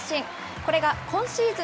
これが今シーズン